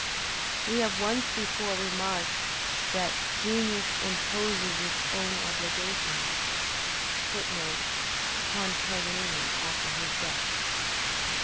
We have once before remarked that "genius imposes its own obligations." [Footnote: Upon Paganini, after his death.